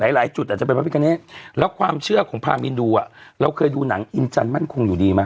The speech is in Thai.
หลายจุดจะพอแล้วความเชื่อของภารมีดูครับเราเคยดูหนังอินจันทอลมั่นคงอยู่ดีมั้ย